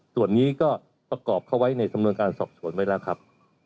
ส่วนนี้ก็ประกอบเข้าไว้ในสำนวนการสอบสวนไว้แล้วครับ